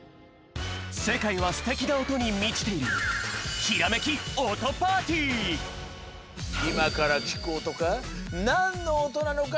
せかいはすてきなおとにみちているいまからきくおとがなんのおとなのか